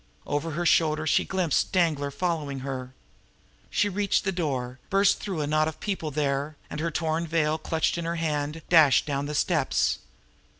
Over her shoulder she glimpsed Danglar following her. She reached the door, burst through a knot of people there, and, her torn veil clutched in her hand, dashed down the steps.